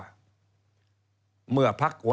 คราวนี้จะไม่เหมือนตรงกันตรงที่ว่า